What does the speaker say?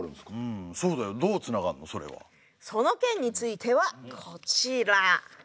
その件についてはこちら。